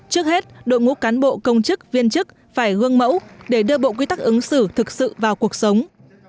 trước hết đội ngũ cán bộ công chức viên chức phải gương mẫu để đưa bộ quy tắc ứng xử thực sự vào cuộc sống